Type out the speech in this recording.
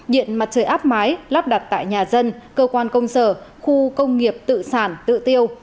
điện mặt trời áp mái lắp đặt tại nhà dân cơ quan công sở khu công nghiệp tự sản tự tiêu